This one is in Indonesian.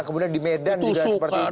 kemudian di medan juga seperti itu